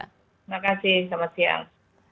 terima kasih selamat siang